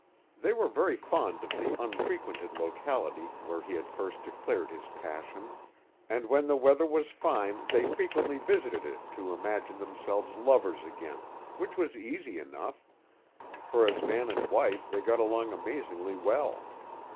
They were very fond of the unfrequented locality where he had first declared his passion, and when the weather was fine they frequently visited it to imagine themselves lovers again, which was easy enough, for as man and wife they got along amazingly well.